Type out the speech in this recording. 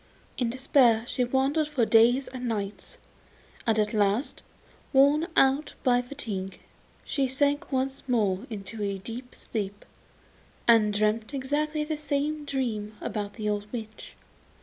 In despair she wandered about for days and nights, and at last, worn out by fatigue, she sank once more into a deep sleep, and dreamt exactly the same dream about the old witch.